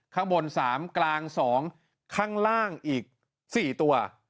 ข้างบน๓กลาง๒ข้างล่างอีก๔ตัว